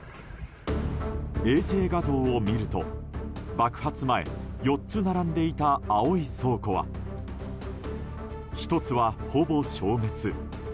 衛星画像を見ると爆発前、４つ並んでいた青い倉庫は１つはほぼ消滅。